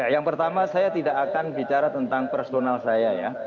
yang pertama saya tidak akan bicara tentang personal saya ya